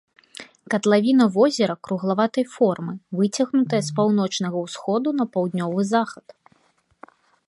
Катлавіна возера круглаватай формы, выцягнутая з паўночнага ўсходу на паўднёвы захад.